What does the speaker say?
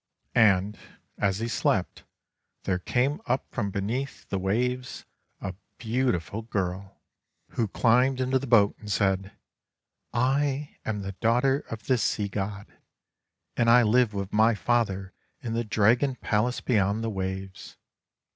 And, as he slept, there came up from beneath the waves a beautiful girl, who 28s JAPAN climbed into the boat and said, "I am the daughter of the Sea God, and I live with my father in the Dragon Palace beyond the waves.